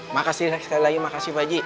makasih sekali lagi makasih